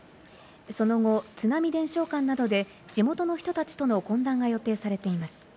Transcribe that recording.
その後、津波伝承館などで地元の人たちとの懇談が予定されています。